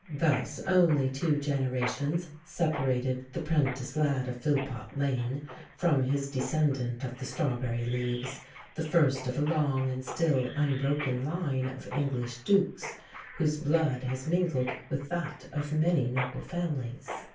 Thus only two generations separated the 'prentice lad of Philpot Lane from his descendant of the strawberry leaves, the first of a long and still unbroken line of English dukes, whose blood has mingled with that of many noble families.